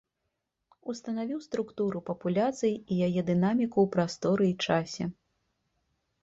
Устанавіў структуру папуляцый і яе дынаміку ў прасторы і часе.